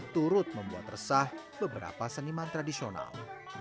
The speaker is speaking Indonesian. turut membuat resah beberapa seniman tradisional